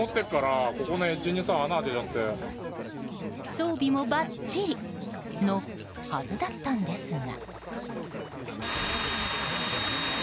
装備もばっちりのはずだったんですが。